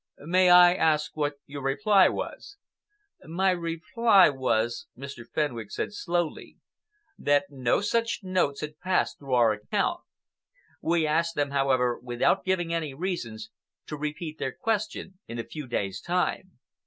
"May I ask what your reply was?" "My reply was," Mr. Fenwick said slowly, "that no such notes had passed through our account. We asked them, however, without giving any reasons, to repeat their question in a few days' time.